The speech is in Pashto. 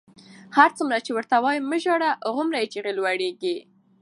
هرڅومره چې ورته وایم مه ژاړه، هغومره یې چیغې لوړېږي.